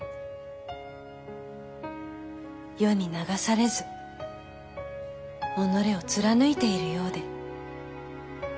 世に流されず己を貫いているようで。